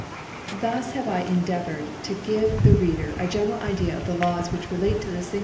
Thus have I endeavoured to give the Jleader a general Idea of the Laws which relate to this fing!